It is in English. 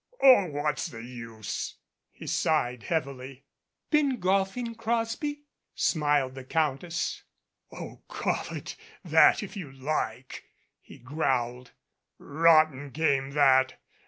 Oh, what's the use," he sighed heavily. "Been golfing, Crosby?" smiled the Countess. "Oh, call it that if you like," he growled. "Rotten game, that.